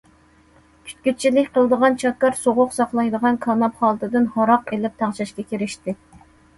كۈتكۈچىلىك قىلىدىغان چاكار سوغۇق ساقلايدىغان كاناپ خالتىدىن ھاراق ئېلىپ تەڭشەشكە كىرىشتى.